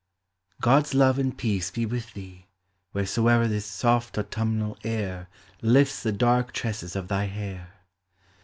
Gods love and peace be with thee, where Soe'er this soft autumnal air Lifts the dark tresses of thy hair!